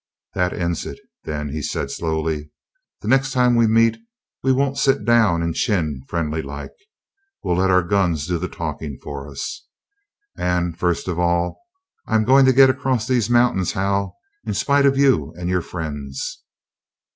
"That ends it, then," he said slowly. "The next time we meet we won't sit down and chin friendly like. We'll let our guns do our talking for us. And, first of all, I'm going to get across these mountains, Hal, in spite of you and your friends."